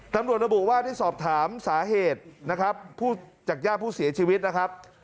ตำรวจระบุว่าที่สอบถามสาเหตุจากย่าผู้เสียชีวิตนะครับ